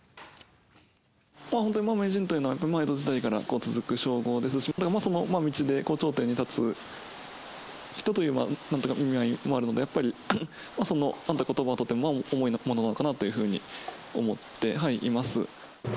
本当に名人というのは、江戸時代から続く称号ですし、その道で頂点に立つ人という意味合いもあるので、やっぱりそのことばはとても重いものなのかなと思っています。